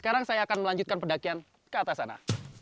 dan kita akan melanjutkan pendakian ke atas sana